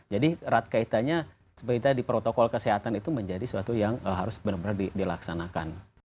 jadi ratkaitannya seperti tadi protokol kesehatan itu menjadi sesuatu yang harus benar benar dilaksanakan